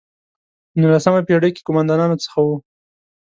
په نولسمه پېړۍ کې قوماندانانو څخه وو.